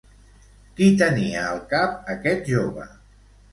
Qui tenia al cap aquest jove?